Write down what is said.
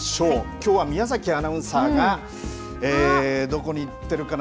きょうは宮崎アナウンサーが、どこに行ってるかな？